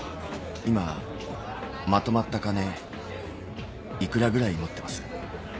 今まとまった金いくらぐらい持ってます？